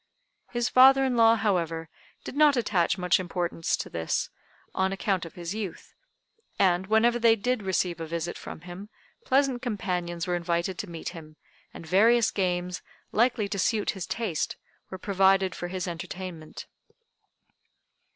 His father in law, however, did not attach much importance to this, on account of his youth; and whenever they did receive a visit from him, pleasant companions were invited to meet him, and various games likely to suit his taste were provided for his entertainment.